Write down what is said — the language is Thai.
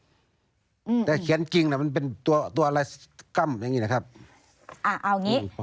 อืมแต่เขียนจริงน่ะมันเป็นตัวตัวอะไรกล้ำอย่างงี้นะครับอ่าเอางี้